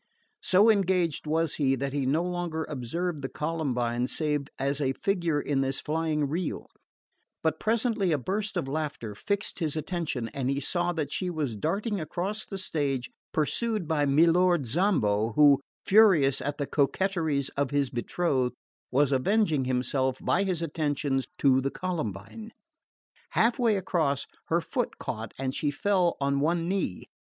So engaged was he that he no longer observed the Columbine save as a figure in this flying reel; but presently a burst of laughter fixed his attention and he saw that she was darting across the stage pursued by Milord Zambo, who, furious at the coquetries of his betrothed, was avenging himself by his attentions to the Columbine. Half way across, her foot caught and she fell on one knee.